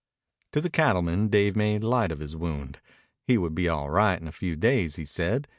To the cattleman Dave made light of his wound. He would be all right in a few days, he said.